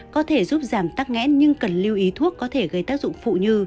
có thể giúp giảm tắc nghẽn nhưng cần lưu ý thuốc có thể gây tác dụng phụ như